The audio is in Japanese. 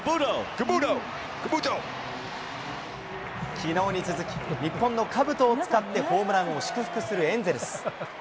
きのうに続き、日本のかぶとを使ってホームランを祝福するエンゼルス。